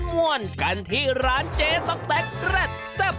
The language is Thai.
จบไปกันครับ